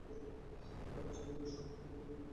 তার প্রচলিত সাধন পদ্ধতিকে বলা হতো মতুয়াবাদ।